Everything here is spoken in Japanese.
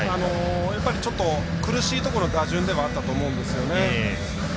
やっぱりちょっと苦しいところの打順ではあったと思うんですよね。